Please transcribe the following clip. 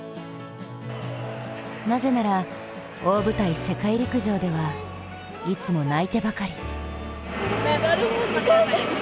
なぜなら、大舞台、世界陸上ではいつも泣いてばかり。